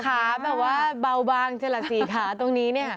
ขาแบบว่าเบาบางเฉล่าสี่ขาตรงนี้นี่ค่ะ